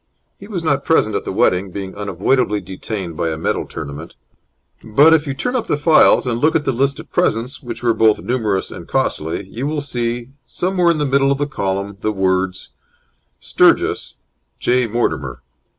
He was not present at the wedding, being unavoidably detained by a medal tournament; but, if you turn up the files and look at the list of presents, which were both numerous and costly, you will see somewhere in the middle of the column, the words: STURGIS, J. MORTIMER.